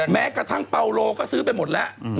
แม้กระทั่งเปาโลก็ซื้อไปหมดแล้ว